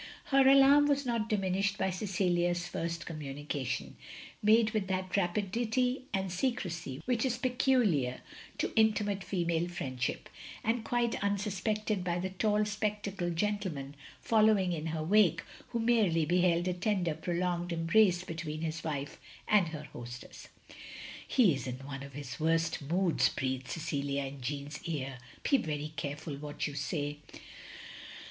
Her alarm was not diminished by Cecilia's first communication, made with that rapidity and secrecy which is peculiar to intimate female friendship, and quite unsuspected by the tall spectacled gentleman following in her wake, who merely beheld a tender prolonged embrace between his wife and her hostess. "He is in one of his worst moods," breathed Cecilia in Jeanne's ear, "be very careful what you say.